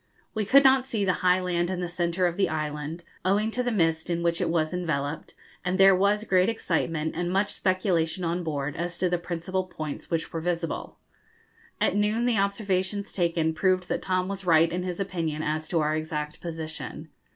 We could not see the high land in the centre of the island, owing to the mist in which it was enveloped, and there was great excitement and much speculation on board as to the principal points which were visible. At noon the observations taken proved that Tom was right in his opinion as to our exact position.